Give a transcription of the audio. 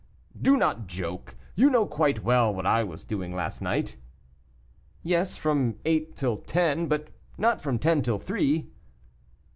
"Do not joke; you know quite well what I was doing last night." "Yes, from eight till ten, but not from ten till three."